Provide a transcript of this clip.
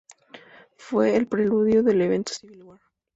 Fue el preludio al evento Civil War.